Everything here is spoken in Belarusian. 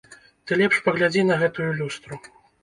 Ты лепш паглядзі на гэтую люстру.